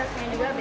jangan lupa simil